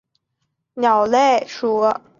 白颊山鹧鸪为雉科山鹧鸪属的鸟类。